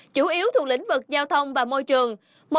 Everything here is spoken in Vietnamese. chủ yếu thuộc lĩnh vực giao thông và môi trường